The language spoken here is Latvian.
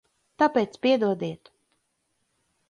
Tāpēc piedodiet.